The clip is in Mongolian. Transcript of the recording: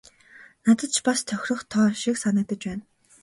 Надад ч бас тохирох тоо шиг санагдаж байна.